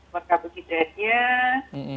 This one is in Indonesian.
makanan beratnya gitu ya dok